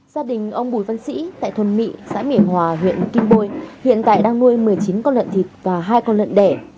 gia đình ông bùi văn sĩ tại thôn mỹ xã mỹ hòa huyện kim bồi hiện tại đang nuôi một mươi chín con lợn thịt và hai con lợn đẻ